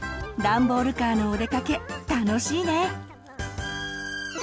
ダンボールカーのお出かけ楽しいね。